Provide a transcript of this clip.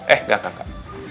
eh enggak kakak